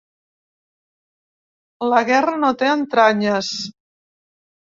La guerra no té entranyes.